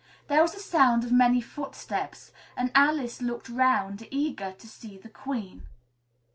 There was a sound of many footsteps and Alice looked 'round, eager to see the Queen.